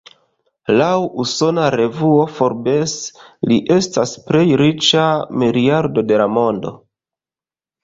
Laŭ usona revuo "Forbes", li estas plej riĉa miliardo de la mondo.